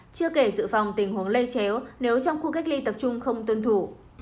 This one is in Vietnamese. chưa kể dự phòng tình huống lây chéo nếu trong khu cách ly tập trung không tuân thủ